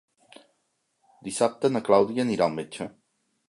Dissabte na Clàudia anirà al metge.